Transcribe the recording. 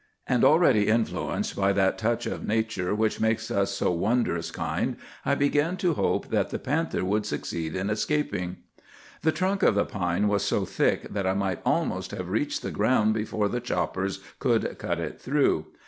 And, already influenced by that touch of nature which makes us so wondrous kind, I began to hope that the panther would succeed in escaping. "The trunk of the pine was so thick that I might almost have reached the ground before the choppers could cut it through.